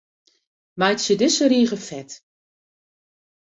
Meitsje dizze rige fet.